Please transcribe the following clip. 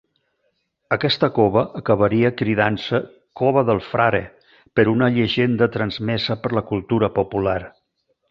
Aquesta cova acabaria cridant-se Cova del Frare, per una llegenda transmesa per la cultura popular.